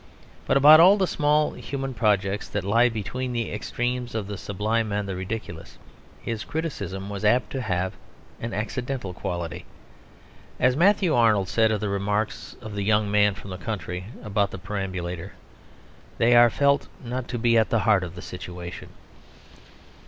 But about all the small human projects that lie between the extremes of the sublime and the ridiculous, his criticism was apt to have an accidental quality. As Matthew Arnold said of the remarks of the Young Man from the Country about the perambulator, they are felt not to be at the heart of the situation.